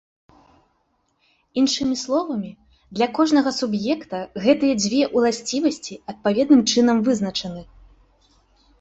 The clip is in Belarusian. Іншымі словамі, для кожнага суб'екта гэтыя дзве ўласцівасці адпаведным чынам вызначаны.